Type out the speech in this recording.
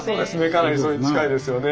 かなりそれに近いですよね。